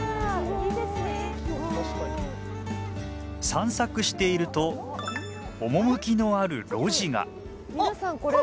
散策していると趣のある路地が皆さんこれ。